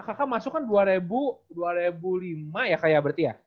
kakak masuk kan dua ribu lima ya kayak berarti ya